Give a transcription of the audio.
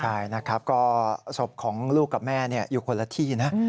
ใช่นะครับก็ศพของลูกกับแม่อยู่คนละที่นะ